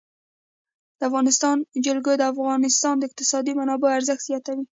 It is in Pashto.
د افغانستان جلکو د افغانستان د اقتصادي منابعو ارزښت زیاتوي.